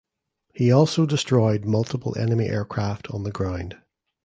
He also destroyed multiple enemy aircraft on the ground.